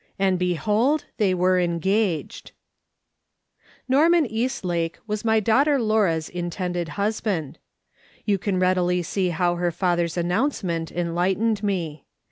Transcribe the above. ''AND BEHOLD, THEY WERE ENGAGED:' Norman Eastlake was my daughter Laura's intended husband. You can readily see how her father's an nouncement enlightened me.